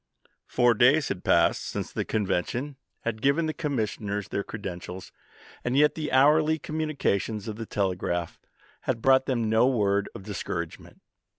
Four days had passed since the convention W. R. Vol. A BLUNDERING COMMISSION 63 had given the commissioners their credentials, and chap. v. yet the hourly communications of the telegraph had brought them no word of discouragement.